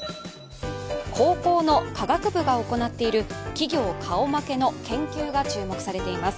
高校の科学部が行っている企業顔負けの研究が注目されています。